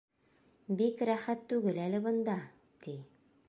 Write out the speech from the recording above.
— Бик рәхәт түгел әле бында, ти.